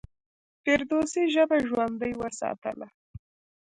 فردوسي ژبه ژوندۍ وساتله.